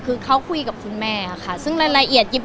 คือเขาคุยกับคุณแม่ค่ะซึ่งรายละเอียดหยิบ